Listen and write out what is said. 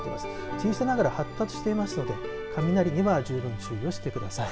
小さいながら発達していますので雷には十分注意をしてください。